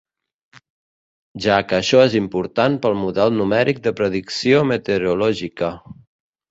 Ja que això és important pel model numèric de predicció meteorològica.